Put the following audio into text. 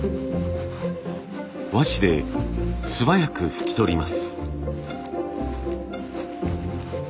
和紙で素早く拭き取ります。